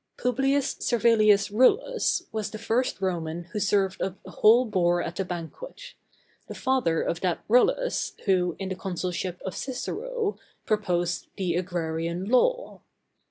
Publius Servilius Rullus was the first Roman who served up a whole boar at a banquet; the father of that Rullus, who, in the consulship of Cicero, proposed the Agrarian law.